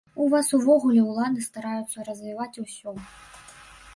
У вас увогуле ўлады стараюцца развіваць ўсё.